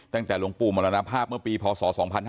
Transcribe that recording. ตั้งแต่หลวงปู่มรณภาพเมื่อปีพศ๒๕๕๙